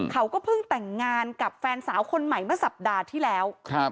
เขาก็เพิ่งแต่งงานกับแฟนสาวคนใหม่เมื่อสัปดาห์ที่แล้ว